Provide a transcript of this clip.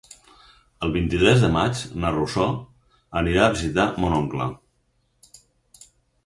El vint-i-tres de maig na Rosó anirà a visitar mon oncle.